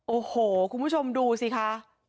โอ้โหคุณผู้ชมดูสิคะ